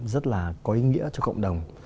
rất là có ý nghĩa cho cộng đồng